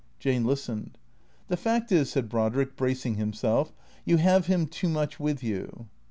Jane listened. " The fact is," said Brodrick, bracing himself, " you have him too much with you."